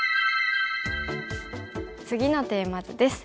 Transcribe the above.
次のテーマ図です。